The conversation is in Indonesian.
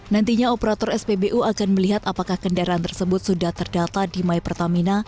nantinya operator spbu akan melihat apakah kendaraan tersebut sudah terdata di my pertamina